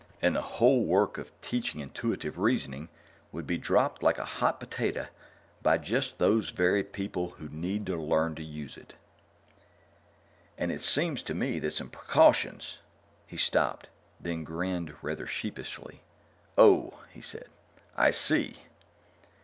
And the whole work of teaching intuitive reasoning would be dropped like a hot potato by just those very people who need to learn to use it. "And it seems to me that some precautions " He stopped, then grinned rather sheepishly. "Oh," he said, "I see."